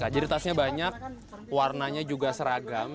jadi tasnya banyak warnanya juga seragam